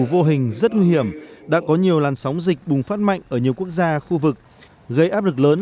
vô hình rất nguy hiểm đã có nhiều làn sóng dịch bùng phát mạnh ở nhiều quốc gia khu vực gây áp lực lớn